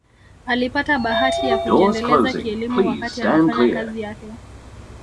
Alipata bahati ya kujiendeleza kielimu wakati anafanya kazi yake